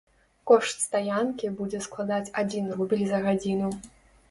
Кошт стаянкі будзе складаць адзін рубель за гадзіну.